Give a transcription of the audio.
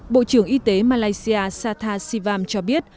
bộ trưởng y tế malaysia satha sivam cho biết